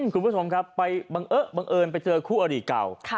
คุณผู้ชมครับบังเอิญไปเจอคู่อดีตเก่า